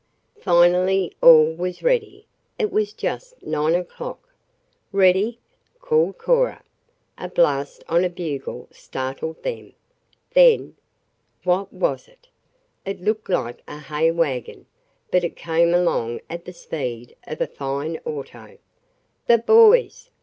Finally all was ready. It was just nine o'clock. "Ready!" called Cora. A blast on a bugle startled them. Then What was it? It looked like a hay wagon, but it came along at the speed of a fine auto. "The boys!"